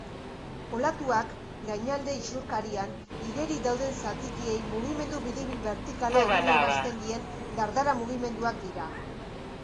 Olatuak gainalde isurkarian igeri dauden zatikiei mugimendu biribil bertikala eginarazten dien dardara mugimenduak dira.